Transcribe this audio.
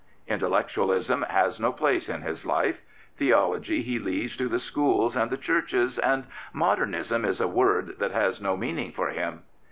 Intellectualism has no place in his life. Theology he leaves to the schools and the churches, and " Modernism " is a word that has no meaning for him.